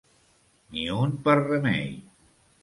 Ni un per remei.